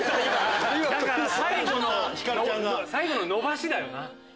だから最後の伸ばしだよな。